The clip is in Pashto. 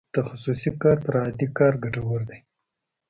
تخصصي کار تر عادي کار ګټور دی.